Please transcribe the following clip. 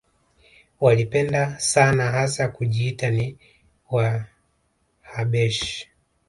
Walipenda sana hasa kujiita ni Wahabeshi